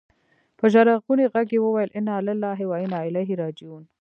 په ژړغوني ږغ يې وويل انا لله و انا اليه راجعون.